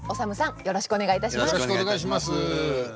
よろしくお願いします。